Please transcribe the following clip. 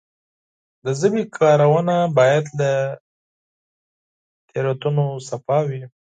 د ژبي کارونه باید له غلطیو پاکه وي.